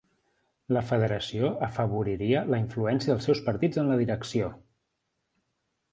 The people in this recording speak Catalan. La federació afavoriria la influència dels seus partits en la direcció